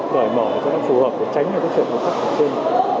rời mở cho các phù hợp để tránh những chuyện khó khăn ở trên